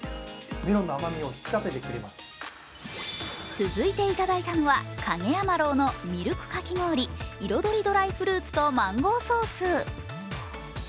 続いていただいたのは、蔭山樓のミルクかき氷彩りドライフルーツとマンゴーソース。